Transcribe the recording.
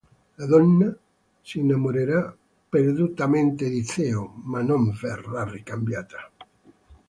La donna, si innamorerà perdutamente di Theo, ma non verrà ricambiata.